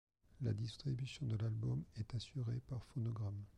La distribution de l'album est assurée par Phonogram.